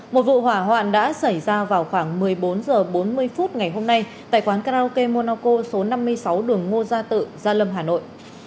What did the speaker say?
một vụ hỏa hoạn đã xảy ra vào khoảng một mươi bốn h bốn mươi phút ngày hôm nay tại quán karaoke monaco số năm mươi sáu đường ngô gia tự gia lâm hà nội